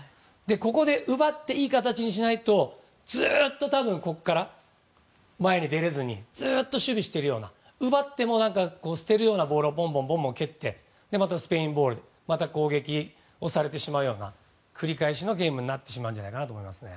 ここで奪っていい形にしないとずっとここから前に出れずにずっと守備しているような奪っても捨てるようなボールをどんどん蹴ってまたスペインボール攻撃をされてしまうような繰り返しのゲームになってしまうんじゃないかなと思いますね。